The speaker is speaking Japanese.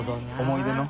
思い出の？